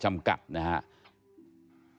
จำกัดนะครับ